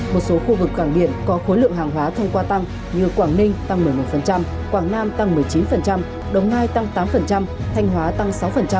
một số khu vực cảng biển có khối lượng hàng hóa thông qua tăng như quảng ninh tăng một mươi một quảng nam tăng một mươi chín đồng nai tăng tám thanh hóa tăng sáu